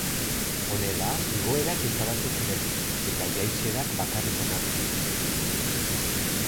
Honela, igoerak ezabatu ziren eta jaitsierak bakarrik onartu.